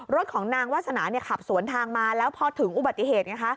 รถของนางวาสนาขับสวนทางมาแล้วพอถึงอุบัติเหตุไงคะ